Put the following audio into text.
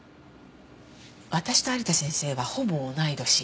私と有田先生はほぼ同い年。